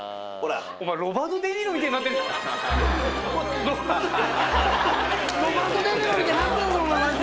お前ロバート・デ・ニーロみたいになってんぞお前マジで。